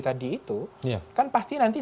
tadi itu kan pasti nanti